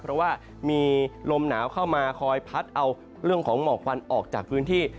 เพราะว่ามีลมหนาวเข้ามาคอยพัดเอาเรื่องของหมอกควันออกจากพื้นที่